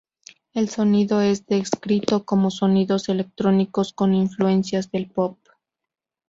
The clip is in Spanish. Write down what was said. El sonido es descrito como sonidos electrónicos con influencias del pop.